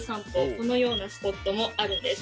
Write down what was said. このようなスポットもあるんです